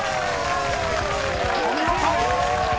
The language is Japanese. ［お見事！］